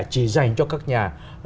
chỉ dành cho các nhà